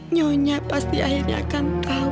nyonya pasti akhirnya akan tahu